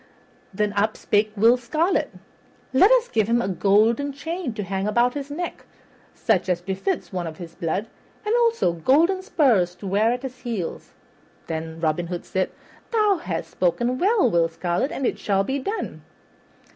Then up spake Will Scarlet, "Let us give him a golden chain to hang about his neck, such as befits one of his blood, and also golden spurs to wear at his heels." Then Robin Hood said, "Thou hast spoken well, Will Scarlet, and it shall be done."